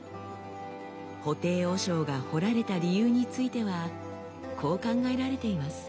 布袋和尚が彫られた理由についてはこう考えられています。